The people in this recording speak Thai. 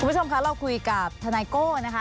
คุณผู้ชมคะเราคุยกับทนายโก้นะคะ